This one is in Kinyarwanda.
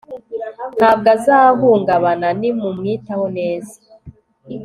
ntabwo azahungabana nimumwitaho neza